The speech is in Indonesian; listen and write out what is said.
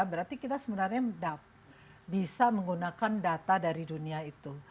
berarti kita sebenarnya bisa menggunakan data dari dunia itu